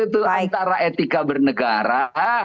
itu antara etika bernegara